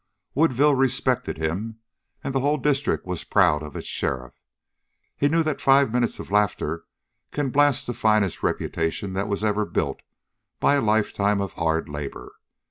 Woodville respected him, and the whole district was proud of its sheriff. He knew that five minutes of laughter can blast the finest reputation that was ever built by a lifetime of hard labor.